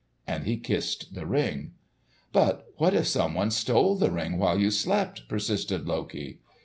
And he kissed the Ring. "But what if someone stole the Ring while you slept," persisted Loki.